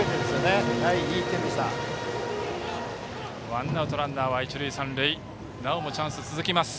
ワンアウトランナーは一塁三塁なおもチャンスが続きます。